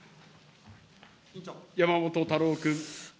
山本太郎君。